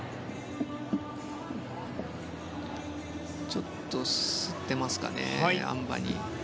ちょっとすってますかねあん馬に。